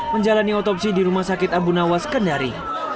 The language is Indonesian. menjalani otopsi di rumah sakit abu nawas kendari